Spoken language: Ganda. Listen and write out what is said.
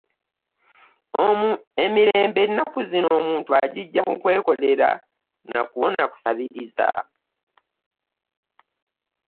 Emirembe ennaku zino omuntu agiggya mu kwekolerera na kuwona kusabiriza.